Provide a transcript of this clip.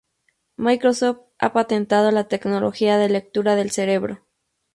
Microsoft ha patentado la tecnología de lectura del cerebro.